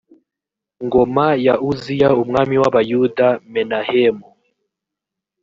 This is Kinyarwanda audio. ngoma ya uziya umwami w abayuda menahemu